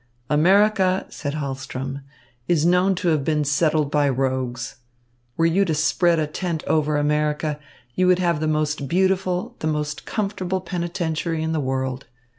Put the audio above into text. "America," said Hahlström, "is known to have been settled by rogues. Were you to spread a tent over America, you would have the most beautiful, the most comfortable penitentiary in the world.